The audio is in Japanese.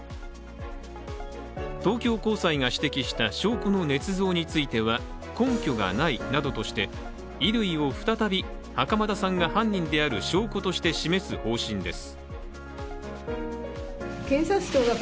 東京高裁が指摘した証拠のねつ造については根拠がないなどとして、衣類を再び袴田さんが犯人である証拠として示す方針です。